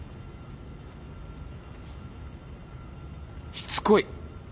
しつこい。